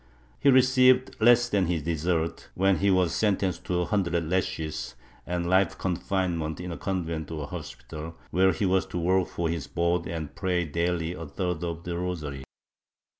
He received less than his deserts when he was sentenced to a hundred lashes and life confinement in a convent or hospital, where he was to work for his board and to pray daily a third of the rosary.